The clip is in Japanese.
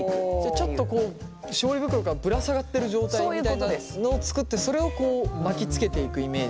ちょっとこう絞り袋からぶら下がってる状態みたいなのを作ってそれを巻きつけていくイメージ？